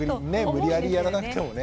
無理やりやらなくてもね。